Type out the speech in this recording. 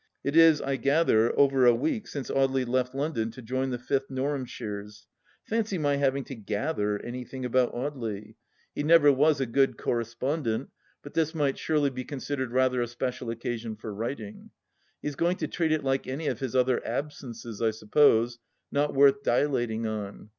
It is, I gather, over a week since Audely left London to join the Mfth Norhamshires. Fancy my having to gather anything about Audely I He never was a good correspondent, THE LAST DITCH 171 but this might surely be considered rather a special occa sion for writing 1 He is going to treat it like any of his other absences, I suppose — not worth dilating on.